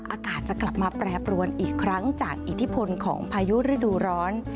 อากาศจะกลับมาแปรปรวนอีกครั้งจากอิทธิพลของพายุฤดูร้อน